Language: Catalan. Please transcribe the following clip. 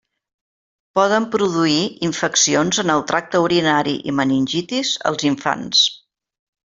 Poden produir infeccions en el tracte urinari i meningitis als infants.